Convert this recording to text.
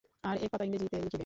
আর এক পাতা ইংরেজীতে লিখিবে।